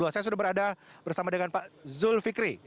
dua ribu dua puluh dua saya sudah berada bersama dengan pak zulfikri